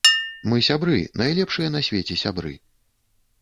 Мы сябры, найлепшыя на свеце сябры.